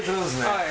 はい。